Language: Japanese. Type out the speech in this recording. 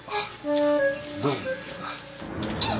どうも。